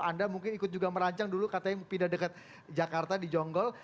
anda mungkin ikut juga merancang dulu katanya pindah dekat jakarta di jonggol